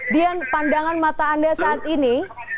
dian pandangan mata anda saat ini